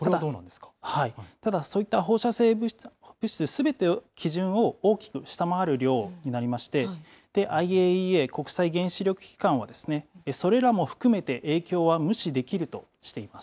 ただ、そういった放射性物質すべて、基準を大きく下回る量になりまして、ＩＡＥＡ・国際原子力機関はですね、それらも含めて影響は無視できるとしています。